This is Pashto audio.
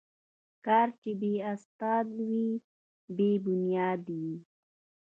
کار چې بې استاد وي، بې بنیاد وي.